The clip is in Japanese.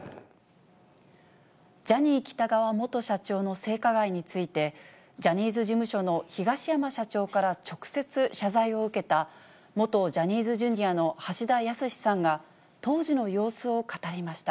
ジャニー喜多川元社長の性加害について、ジャニーズ事務所の東山社長から直接謝罪を受けた元ジャニーズＪｒ．の橋田康さんが当時の様子を語りました。